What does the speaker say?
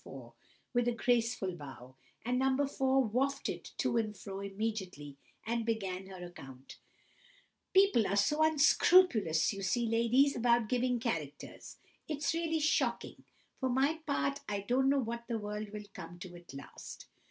4, with a graceful bow; and No. 4 waffed it to and fro immediately, and began her account:— "People are so unscrupulous you see, ladies, about giving characters. It's really shocking. For my part, I don't know what the world will come to at last.